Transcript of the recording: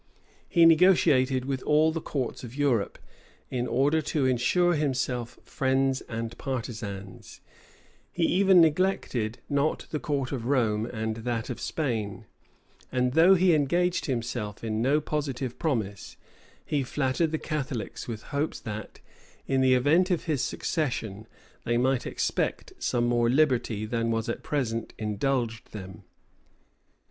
He negotiated with all the courts of Europe, in order to insure himself friends and partisans: he even neglected not the court of Rome and that of Spain; and though he engaged himself in no positive promise, he flattered the Catholics with hopes that, in the event of his succession, they might expect some more liberty than was at present indulged them.